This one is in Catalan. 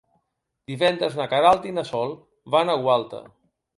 Divendres na Queralt i na Sol van a Gualta.